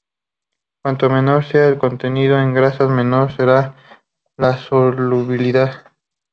Cuanto menor sea su contenido en grasas, menor será su solubilidad.